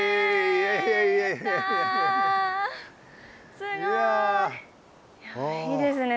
すごい！いいですね